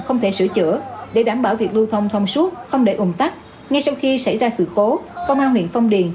không thể sửa chữa để đảm bảo việc lưu thông thông suốt không để ủng tắc ngay sau khi xảy ra sự cố công an huyện phong điền